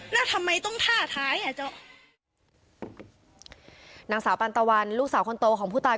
แล้วทำไมต้องท่าท้ายอ่ะเจ้านางสาวปันตะวันลูกสาวคนโตของผู้ตาย